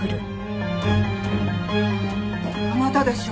あなたでしょ？